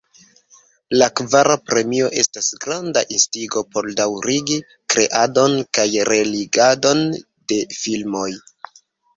La kvara premio estas granda instigo por daŭrigi kreadon kaj realigadon de filmoj.